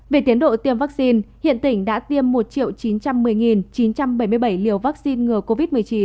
về tiến độ tiêm vaccine hiện tỉnh đã tiêm một chín trăm một mươi chín trăm bảy mươi bảy liều vaccine ngừa covid một mươi chín